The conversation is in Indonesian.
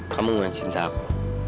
kamu gak cinta aku